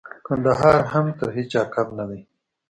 کندهار هم تر هيچا کم نه دئ.